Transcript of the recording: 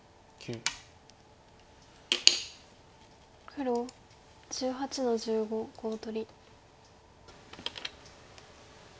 黒１８の十五コウ取り。